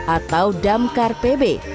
atau damkar pb